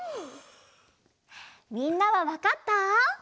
みんなはわかった？